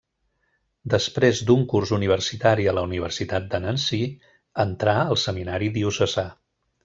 Després d'un curs universitari a la Universitat de Nancy entrà al seminari diocesà.